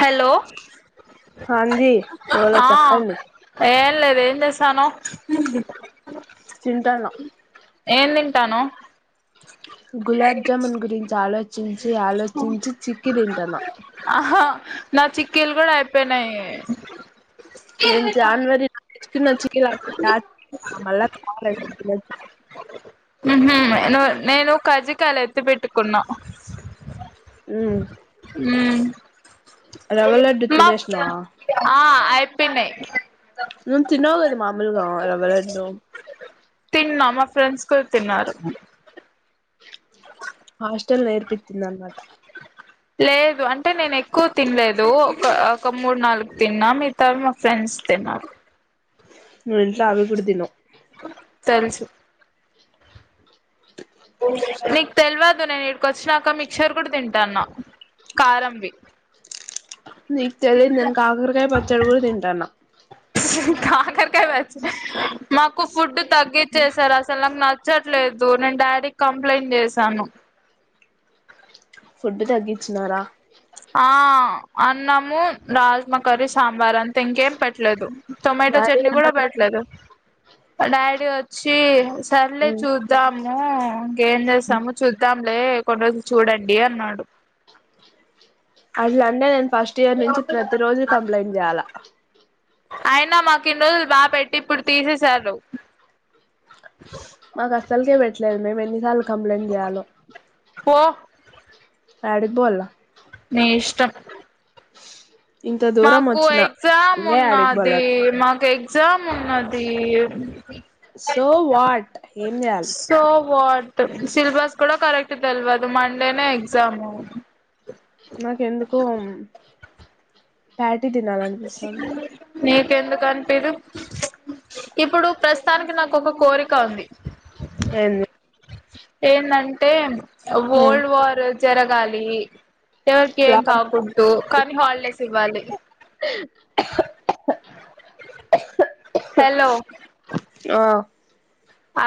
Hello హాంజీ బోలో ఆ చెప్పండి ఏం లేదు ఏం చేస్తాను తింటున్నాం ఏం తింటానవు గులాబ్ జామున్ గురించి ఆలోచించి ఆలోచించి చిక్కి తింటానం ఆహా నా చిక్కిలుకూడ అయిపోయినాయి నేను జాన్వరి చిన్న చికిల్లు [unintelligible] ఉహుమ్ నేను కజ్జికాయలు ఎత్తి పెట్టుకున్నా. హు ఉమ్ రవ్వ లడ్డు తినేష్నావా. పిన్నై నువ్ తిన్నావు కదా మామూలుగా రవ్వ లడ్డు. తిన్నా మా ఫ్రెండ్స్ కూడా తిన్నారు. హాస్టల్ నేర్పించింది అనమాట. లేదు అంటే నేను ఎక్కువ తినలేదు ఒక ఒక మూడు నాలుగు తిన్నా మిగితావి మా ఫ్రెండ్స్ తిన్నారు. నువ్వు ఇంట్లో ఆవి కుడా తినవు. తెలుసు నీకు తెల్వదు నేను ఇడికి వచ్చినాక మిక్చర్ కూడా తింటన్నా. కారంవి నీకు తెలిదు నేను కాకరకాయ పచ్చడి కూడ తింటాన్నా. కాకరికాయ పచ్చడా మాకు ఫుడ్ తగ్గించే సారు అసలు నాకు చ్చట్లేదు నేను డాడీకి కంప్లైంట్ చేసాను. ఫుడ్ తగ్గించినారా ఆ అన్నము, రాజ్మా కర్రీ, సాంబార్ అంతే ఇంకేం పెట్ లేదు టొమాటో డాడీ చట్నీ కూడా ఏమన్నారు పెట్టలేదు డాడీ వచ్చి సర్లే ఉమ్ చూద్దాము ఇంకేం చేస్తాము చూద్దాం లే కొన్ని రోజులు చూడండి అన్నాడు. అట్లంటే నేను ఫస్ట్ ఇయర్ నుంచి ప్రతి రోజు కంప్లైంట్ చేయాల. అయినా మాకు ఇన్ని రోజులు బాగా పెట్టి ఇప్పుడు తీసేసారు. మాకు అసలుకే పెట్టలేదు. మేము ఎన్నిసార్లు కంప్లైంట్ చేయాలో. పో యాడికి బోవల్లా నీ ఇష్టం ఇంత దూరం మాకు వచ్చిన ఎగ్జామ్ ఇంగా యాడికి పోవాల ఉన్నాది మాకు ఎగ్జామ్ ఉన్నది. సో వాట్ ఏం చేయాలి సో వాట్ సిలబస్ కూడా కరెక్ట్ తెల్వదు మండేనే ఎగ్జామ్. నాకెందుకో ప్యాటీ తినాలనిపిస్తాంది నీకెందుకు అనిపిదు ఇప్పుడు ప్రస్తుతానికి నాకు ఒక కోరిక ఉంది. ఎంది ఏందంటే వరల్డ్ వార్ జరగాలి. ఎవరికి ఏం కాకుడదు కానీ హాలిడేస్ ఇవ్వాలి. హలో ఆ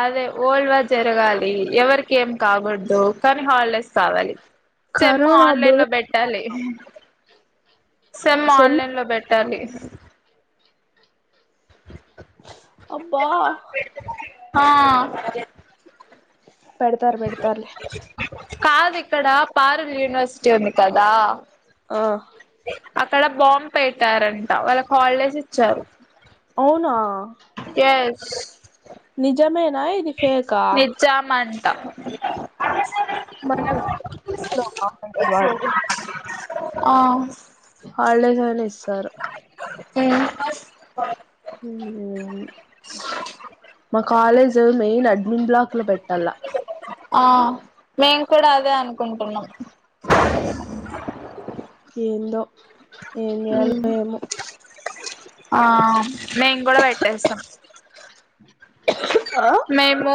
అదే వరల్డ్ వార్ జరగాలి. ఎవరికి ఏం కాకూడదు. కానీ హాలిడేస్ కావాలి. సెమ్ కరోనా అప్పుడు ఆన్లైన్ లో పెట్టాలి, సెమ్ ఆన్లైన్ లో పెట్ టాది అబ్బా హ పెడతారు పెడతారులే. కాదు ఇక్కడ పారుల్ యూనివర్సిటీ ఉంది కదా ఆ అక్కడ బాం పెట్టారంట వాళ్ళకి హాలిడేస్ ఇచ్చారు అవునా నిజమే నిజామ అంటా మన్ ఆ వాడ్ ఆ హాలిడేస్ అని ఇస్ మ్ మ్ యా మా కాలేజ్ మెయిన్ అడ్మిన్ బ్లాక్ లో పెట్టల్ల. ఆ మేము కూడా అదే అనుకుంటున్నాం. ఏందో ఏం చేయాలో ఏమో ఆ మేమ్ కూడ పెట్టేస్తం. మేము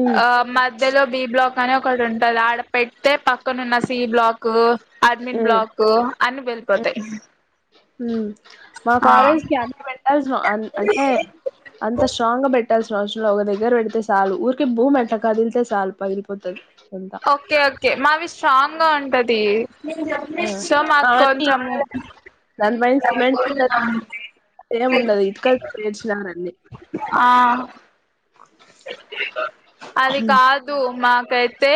ఉమ్ ఆ మధ్యలో బి బ్లాక్ అని ఒకటి ఉంటది. ఆడ పెడితే పక్కనున్న సి బ్లాక్ అర్మిన్ బ్లాక్ అన్ని వెళ్ళిపోతాయి. మ్. మా ఆ కాలేజ్కి అన్ని పెట్టల్సిన, అంటే అంత స్ట్రాంగ్ గ బెట్ ట్టాల్సిన అవసరం ల ఒక దగ్గర పెడితే చాలు. ఊరికె భూమి ఎట్లా కదిలితే చాలు, పగిలిపోతది. అంతా ఓకె ఓకె మావి స్ట్రాంగ్ గా ఉంటది. ఆ సో మాక్ అవన్నీ కొంచము ఇటుకలే ఏముండదు. ఇటుకల్ పేర్చినారన్ని. ఆ అది కాదు. మాకైతే,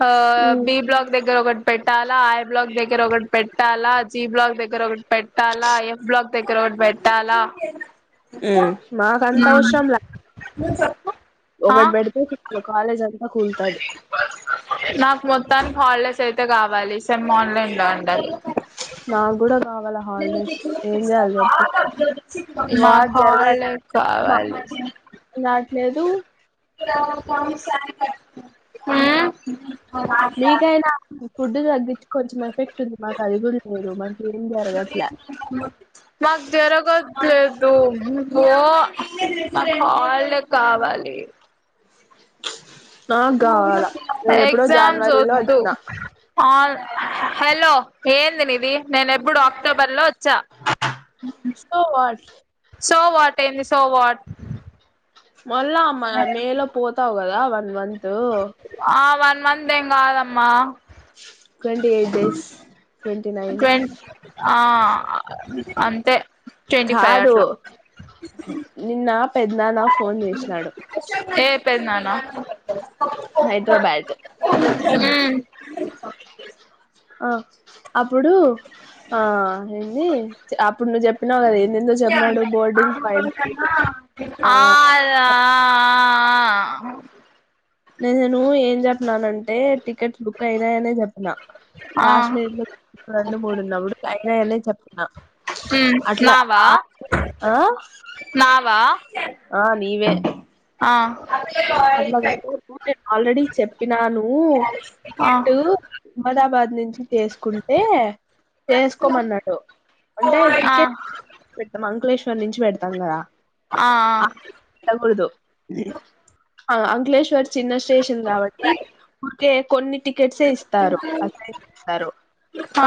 హా ఉమ్ బి బ్లాక్ దగ్గర ఒక పెట్టాలా, ఐ బ్లాక్ దగ్గర ఒకటి పెట్టాలా, జి బ్లాక్ దగ్గర ఒకటి పెట్టాలా, ఎఫ్ బ్లాక్ దగ్గర ఒకటి పెట్టాలా. మాకంత మ్ అవసరం లా ఒకటి పెడితే చుట్టు కాలేజ్ అంతా కూల్తది. హల్డేస్ అయితే కావాలి. సెమ్ ఆన్లైన్ లో ఉండాలి. నాకు కూడా కావాల హాలిడేస్ ఏం చేయాలి చెప్పు ఈ నాకు వార్ హాలిడే కావాలి. ఇనాట్లేదు. [unintelligible] మ్మ్ మీకైనా ఫుడ్ తగ్గించి కొంచెం ఎఫెక్ట్ ఉంది. మాకి అది కూడ లేదు. మన్ మాక్ జరగట్లేదు. మో. నాక్ ఆల్లే కావాలి. నాకు కావాల నేను ఎప్పుడో ఎక్సామ్స్ జనవరిలో ఒద్దు వచ్చిన హల్ హెల్లొ ఏంది నీది? నేనేబ్బుడు అక్టోబర్ లో వచ్చా. సో వాట్ సో వాట్ ఏంది సో వాట్? మళ్ళా అ మేలో పోతావు కదా వన్ మంతు మేం కాదమ్మ. Twenty eight days. Twenty nine ట్వన్ ఆ అంతే. ట్వంటీ ఫైవ్ కాదు అట్లా నిన్న పెద్నాన్న ఫోన్ చేసినాడు. ఏ పెద్ద నాన్న హైడ్రాబ్యాటు మ్మ్ ఆ అప్పుడు, ఆ ఏంది అప్పుడు నువ్వు చెప్పినావు కదా ఏ ఆల ఆ ఆ ఆ ఆ నేను ఏం చెప్నానంటే, టికెట్స్ బుక్ అయినాయనే చెప్పిన. ఆ లాస్ట్ ఆ మినిట్ లో రెండు మూడున్నవడు అయినాయనే చెప్పిన. ఉమ్ అట్లా నావా ఆ, నావా ఆ. నీవే. ఆ [unintelligible] టూ డేస్ ఆల్రెడీ చెప్పినాను. ఆ టికెట్టు అహ్మదాబాద్ నుంచి చేసుకుంటే, చేసుకోమన్నాడు. అంటే ఆ ఆ టికె అంకులేేశ్వర్ నుంచి పెడతాం కదా అ ఆ పెట్టకూడదు. అంకులేశ్వర్ చిన్న స్టేషన్ కాబట్టి ఊరికే కొన్ని టికెట్సే ఇస్తారు క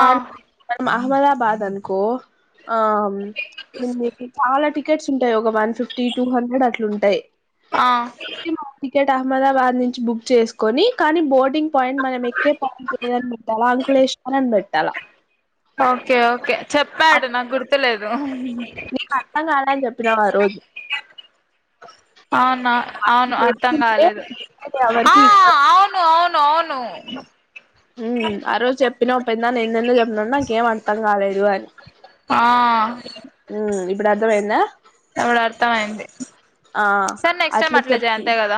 [unintelligible] అహ్మదాబాద్ అనుకో ఆ నికి చాల టి టికెట్స్ ఉంటయి ఒక వన్ ఫిఫ్టీ, టూ హండ్రెడ్ అట్లు ఉంటయి ఆ అహ్మదాబాద్ నుంచి బుక్ చేసుకొని కానీ బోర్డింగ్ పాయింట్ మనం ఎక్కే పాయింట్ లేదని పెట్టాలా అంకు హరన్ పెట్టాల ఓకే ఓకే చెప్పాడు నాకు గుర్తులేదు నీకు అర్థం కాడని చెప్పినగా ఆ రోజు అవునా అట్ల అవును అర్థం చేస్తుంటే కాలేదు ఆ ఎవరికి ఇవ్వ అవును అవును అవును అ హ్మ్ ఆ రోజు చెప్పినవ్ పెద్దనాన్న ఎెందేదో చెప్పినవ్ నాకేం అర్ధం కాలేదు అని ఆ మ్మ్ ఇప్పుడు అర్థమయిందా ఇప్పుడు అర్థంమయింది ఆ సరె నెక్స్ట్ టైమ్ అట్లా అట్లే జయ చెప్పి అంతే కదా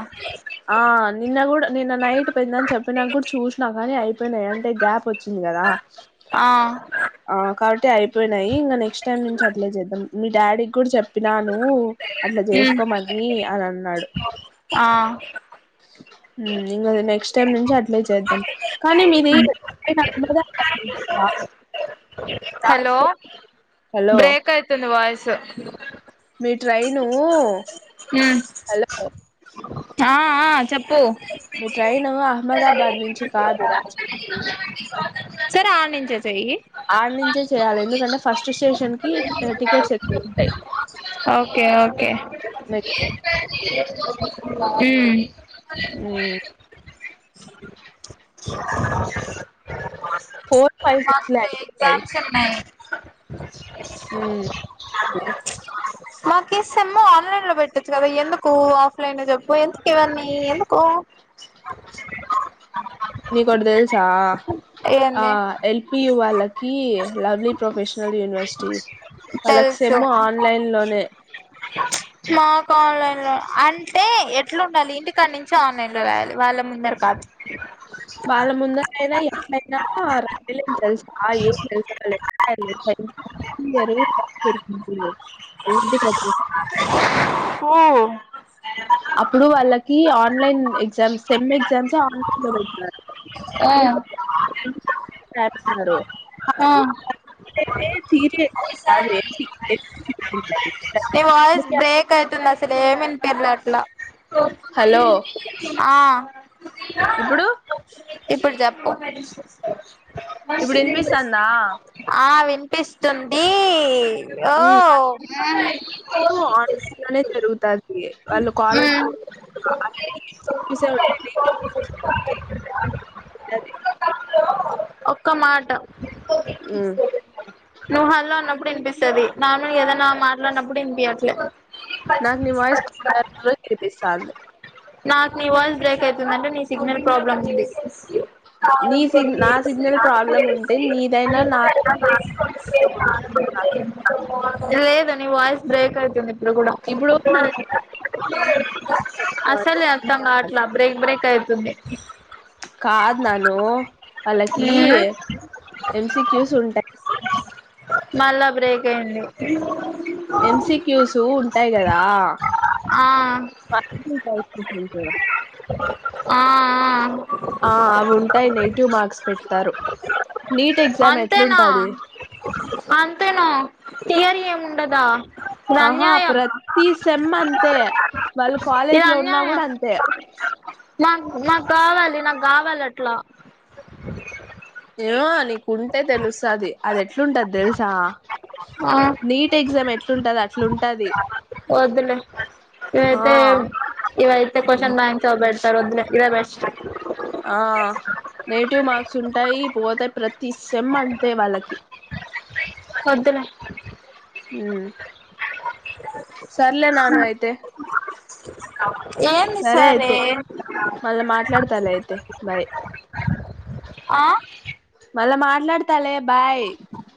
ఆ నిన్న కుడా నిన్న నైట్ పెద్దనాన్న చెప్పినాక కుడా చూసిన కాని అయిపోయినాయి అంటే గ్యాప్ వచ్చింది. కదా ఆ ఆ కాబట్టి అయిపోయినాయి ఇంగ నెక్స్ట్ టైమ్ నుంచి అట్లే చేద్దాం మీ డాడీక్కుడా చెప్పినా నువు అట్లా ఉమ్ చేసుకోమని అని అన్నాడు ఆ హ్మ్ ఎం కాదు నెక్స్ట్ టైమ్ నుంచి అట్లే చేద్దాం కానీ మీది [unintelligible] హలో హలో బ్రేక్ అయితుంది వయిసు మీ ట్రైను ఉమ్ హలో ఆ ఆ చెప్పు మీ ట్రైన్ అహ్మదాబాద్ నుంచి కాదు రాజమండ్రి నుంచి సరే ఆ నించ పెయ్యి ఆడ నుంచే చేయాలి ఎందుకంటే ఫస్ట్ స్టేషన్ కి టికెట్స్ ఎక్కువ ఉంటాయి ఓకే ఓకే హ్మ్ ఫోర్ ఫైవ్ సిక్స్ లో మాకు అయిపోతాయి ఎగ్జామ్స్ ఉన్నయి మ్మ్ మాకి సేమ్ము ఆన్లైన్ లో పెట్టొచ్చు కదా ఎందుకు ఆఫ్లైన్ లో చెప్పు ఎందుకు ఇవన్నీ ఎందుకు నీకొటి తెల్సా ఆ ఏంది ఎల్పియు వాళ్ళకి లవ్లీ ప్రొఫెషనల్ యూనివర్సిటీ వాళ్ళకు సెమ్ము ఆన్లైన్ లోనే నాక అంటే ఎట్లుండాలి ఇంటికాడ్నించి ఆన్లైన్ లో రాయాలి వాళ్ళ ముందట కాదు. అ వాళ్ళ ముందట అయినా ఎట్లయినా రయలేం తెలుసా ఏం [unintelligible] పిల్లలు [unintelligible] ఆ అప్పుడు వాళ్ళకి online sem sem exams online లో పెడుతున్నారు. ఆ [unintelligible] పెడ్తున్నరు [unintelligible] ఎంసీక్యూస్ ఉంటాయి. ని వాయిస్ బ్రేక్ అయితు అసలు ఏమ్ వినిపియలే అట్ల హలో ఆ ఇప్పుడు ఇప్పుడు చెప్ప ఇప్పుడు ఇనిపిస్తాందా? ఆ వి పిస్తుంది ఓ హ్మ్. వాళ్ళకి ఆన్లైన్‌లోనే జరుగుతాది. వాళ్ళు కాలేజ్ లో మ్మ్ చూసే వు అ ఒక్క మాట హ్మ్. నువ్వు హలో అన్నప్పుడు వినిపిస్త సది నార్మల్ గా ఏదైనా మాట్లాడినప్పుడు ఇంపిట్లే నాకు నీ వాయిస్ [unintelligible] వినిపిస్తోంది నాకు నీ వాయిస్ బ్రేక్ అయితుంది అంటే నీ సిగ్నల్ ప్రాబ్లమ్ ఇది [unintelligible] నీ సిగ్ నా సిగ్నల్ ప్రాబ్లం ఉంటే నీదైనా నా లేద నీ వాయిస్ బ్రేక్ అయితుంది ఇప్పుడు కూడా ఇప్పుడు నాది అసలే అత్తంగా అట్లా బ్రేక్ బ్రేక్ అయితుంది కాదు నాను వాళ్ళకి ఎంస క్యూస్ ఉంటాయి మళ్ళా బ్రేక్ అయింది ఎంస క్యూస్ ఉంటాయి కదా ఆ ఆ ఆ అవి ఉంటాయి నెగిటివ్ మార్క్స్ పెడతారు నీట్ ఎగ్జామ్ అంతేనా ఎట్లుంటది అంతేనా తీయరీ ఏముండదా ఇది ఆ అన్యాయం ప్రతిస ఎమ్మ అంతే వాళ్ళు కాలేజ్ ఇది లో ఉన్నా కూడా అన్యాయం అంతే మాకు మాకు కావాలి నాకు కావాలి అట్లా ఆ నీకుంటే తెలుస్తది అది ఎట్లుంటది తెలుసా ఆ నీట్ ఎగ్జామ్ ఎట్లుంటది అట్లుంటది వద్లే ఆ ఇవైతే ఇవైతే క్వశ్చన్ మ్యాంస బెడారు వద్దులే ఇదే బెస్ట్ ఆ నెగిటివ్ మార్క్స్ ఉంటాయి పోతే ప్రతి సేమ్ అంతే వాళ్ళకి వద్దులే హ్మ్ సర్లే నాను అయితే అ ఏందీ సరే మళ్ళా మాట్లాడతాలే అయితే బాయ్ ఆ మాడుతాలే బాయ్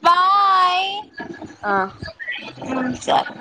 బాయ్ ఆ అ సార్